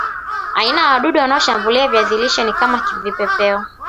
aina ya wadudu wanaoshambulia viazi lishe ni kama vipepeo